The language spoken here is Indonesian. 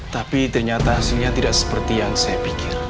tapi ternyata hasilnya tidak seperti yang saya pikir